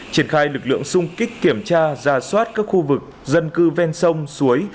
triển khai lực lượng sung kích kiểm tra ra soát các khu vực dân cư ven sông suối